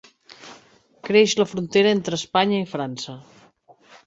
Creix a la frontera entre Espanya i França.